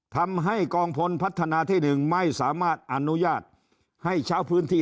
ทำให้กองพลพัฒนาที่๑ไม่สามารถอนุญาตให้เช่าพื้นที่